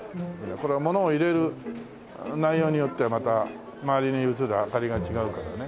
これはものを入れる内容によってはまた周りに映る明かりが違うからね。